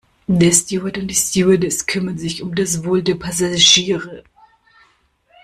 Der Steward und die Stewardess kümmern sich um das Wohl der Passagiere.